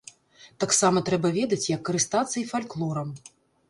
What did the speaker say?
Таксама трэба ведаць, як карыстацца і фальклорам.